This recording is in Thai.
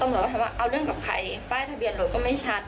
ตำรวจก็ถามว่าเอาเรื่องกับใครป้ายทะเบียนรถก็ไม่ชัด